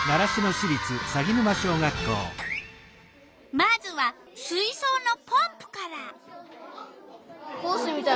まずは水そうのポンプから。